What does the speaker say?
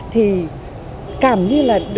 thì cảm như là